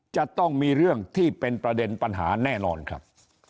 จะต้องมีเรื่องที่เป็นประเด็นปัญหาแน่นอนครับ